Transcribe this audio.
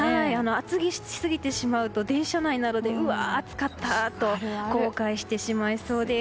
厚着しすぎてしまうと電車内などでうわ、暑かったと後悔してしまいそうです。